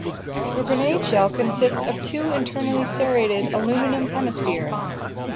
The grenade shell consists of two internally serrated aluminium hemispheres.